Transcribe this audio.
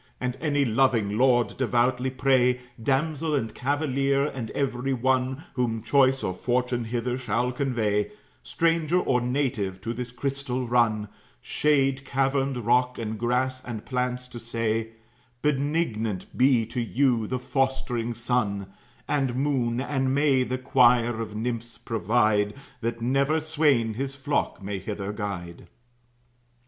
"And any loving lord devoutly pray, Damsel and cavalier, and every one, Whom choice or fortune hither shall convey, Stranger or native, to this crystal run, Shade, caverned rock, and grass, and plants, to say, 'Benignant be to you the fostering sun And moon, and may the choir of nymphs provide, That never swain his flock may hither guide.'"